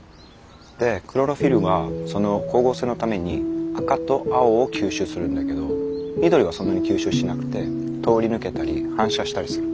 でクロロフィルはその光合成のために赤と青を吸収するんだけど緑はそんなに吸収しなくて通り抜けたり反射したりする。